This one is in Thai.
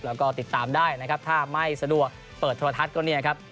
แล้วก็ติดตามได้นะครับถ้าไม่สะดวกเปิดโทรทัศน์ก็เนี่ยครับ